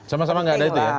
sama sama nggak ada itu ya